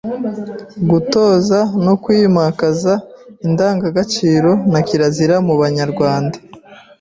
Gutoza no kwimakaza indangagaciro na kirazira mu Banyarwanda;